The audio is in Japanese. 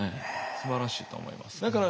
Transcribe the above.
すばらしいと思います。